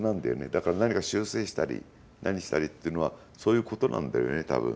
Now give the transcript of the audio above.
だから、何か修正したり何したりっていうのはそういうことなんだよね、多分。